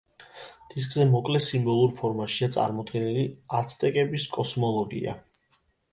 დისკზე მოკლე სიმბოლურ ფორმაშია წარმოდგენილი აცტეკების კოსმოლოგია.